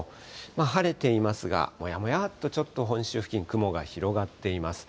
晴れていますが、もやもやっと、本州付近、雲が広がっています。